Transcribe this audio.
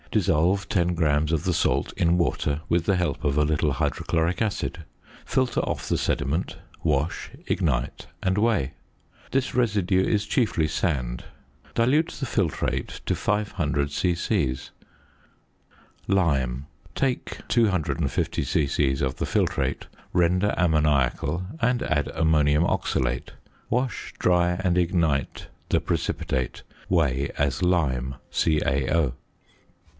~ Dissolve 10 grams of the salt in water with the help of a little hydrochloric acid. Filter off the sediment, wash, ignite, and weigh. This residue is chiefly sand. Dilute the nitrate to 500 c.c. ~Lime.~ Take 250 c.c. of the filtrate, render ammoniacal and add ammonium oxalate; wash, dry, and ignite the precipitate. Weigh as lime (CaO).